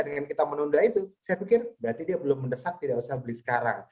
dengan kita menunda itu saya pikir berarti dia belum mendesak tidak usah beli sekarang